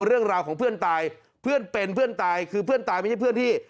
เรื่องราวของเพื่อนตายเพื่อนเป็นเพื่อนตายคือเพื่อนตายไม่ใช่เพื่อนที่